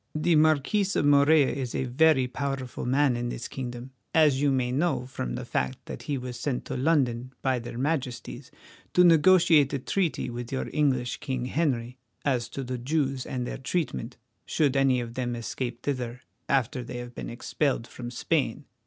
The Marquis of Morella is a very powerful man in this kingdom, as you may know from the fact that he was sent to London by their Majesties to negotiate a treaty with your English King Henry as to the Jews and their treatment, should any of them escape thither after they have been expelled from Spain.